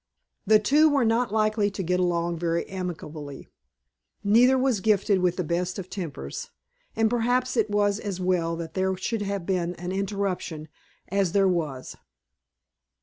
The two were not likely to get along very amicably. Neither was gifted with the best of tempers, and perhaps it was as well that there should have been an interruption as there was.